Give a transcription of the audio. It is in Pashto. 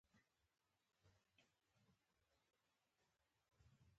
جانداد د زړه صفا ښکاره ښکاري.